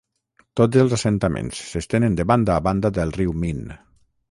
Tots els assentaments s'estenen de banda a banda del riu Min.